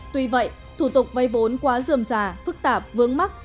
tuy vậy thủ tục vây vốn quá dườm già phức tạp vướng mắc